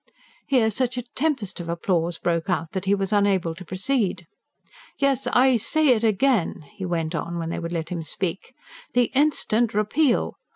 Here, such a tempest of applause broke out that he was unable to proceed. "Yes, I say it again," he went on, when they would let him speak; "the instant repeal!